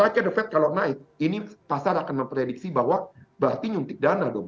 rakyat the fed kalau naik ini pasar akan memprediksi bahwa berarti nyuntik dana dong